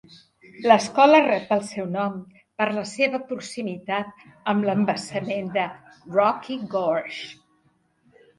L'escola rep el seu nom per la seva proximitat amb l'embassament de Rocky Gorge.